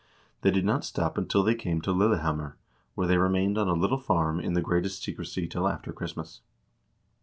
They did not stop until they came to Lille hammer, where they remained on a little farm in the greatest secrecy till after Christmas.